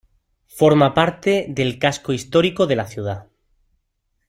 Forma parte del casco histórico de la ciudad.